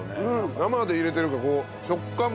生で入れてるから食感も。